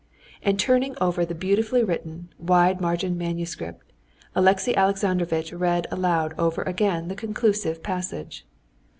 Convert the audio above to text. And turning over the beautifully written, wide margined manuscript, Alexey Alexandrovitch read aloud over again the conclusive passage.